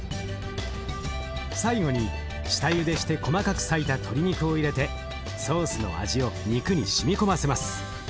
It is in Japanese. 最後に下ゆでして細かく裂いた鶏肉を入れてソースの味を肉にしみ込ませます。